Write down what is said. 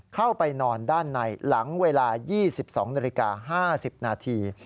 เข้าไปนอนด้านในหลังเวลา๒๒นาฬิกา๕๐นาที